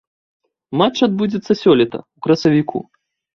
Матч адбудзецца сёлета ў красавіку.